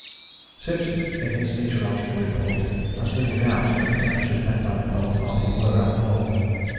Simpson, in his meteorological report, has little doubt that the temperatures met by the Polar Party were abnormal.